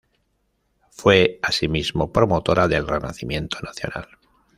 Fue asimismo promotora del Renacimiento Nacional.